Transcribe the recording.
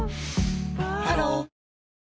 ハロー